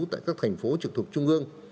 tại các thành phố trực thuộc trung ương